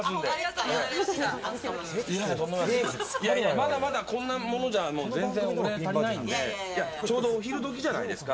まだまだこんなもんじゃ全然、お代足りないのでちょうどお昼時じゃないですか。